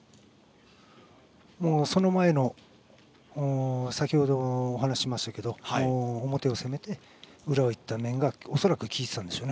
その前の先ほども話しましたが表を攻めて、裏をいった面が恐らく効いてたんでしょうね。